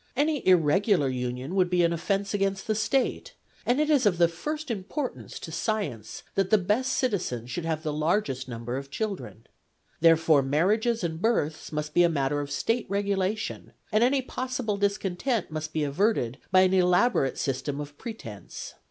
Any irregular union would be an offence against the State, and it is of the first importance to science that the best citizens should have the largest number of children. Therefore marriages and births must 174 FEMINISM IN GREEK LITERATURE be a matter of State regulation, and any possible discontent must be averted by an elaborate system of pretence.